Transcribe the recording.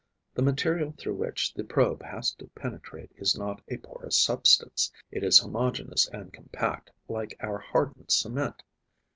The material through which the probe has to penetrate is not a porous substance; it is homogeneous and compact, like our hardened cement.